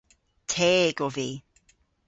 Teg ov vy.